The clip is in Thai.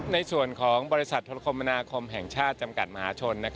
ในส่วนของบริษัทธรคมนาคมแห่งชาติจำกัดมหาชน